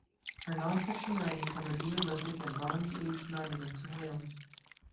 Her non fiction writing covered Neolithic and Bronze Age monuments in Wales.